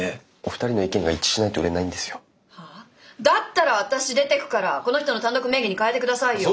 だったら私出てくからこの人の単独名義に変えてくださいよ。